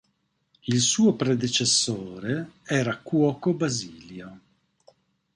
Il suo predecessore era Cuoco Basilio.